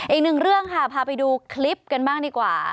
อีกหนึ่งเรื่องค่ะพาไปดูคลิปกันบ้างดีกว่า